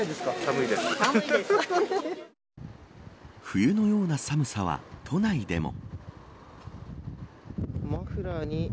冬のような寒さは都内でも。